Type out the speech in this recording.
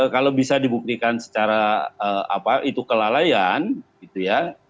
kalau bisa dibuktikan secara apa itu kelalaian gitu ya